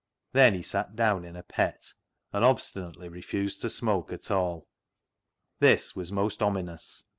Then he sat down in a pet, and obstinately refused to smoke at all. This was most ominous.